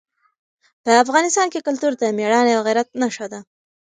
په افغانستان کې کلتور د مېړانې او غیرت نښه ده.